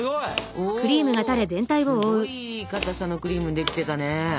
おおすごいいいかたさのクリームできてたね。